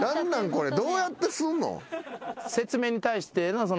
これどうやってすんの？